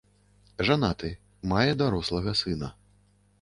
Жанаты, мае дарослага сына.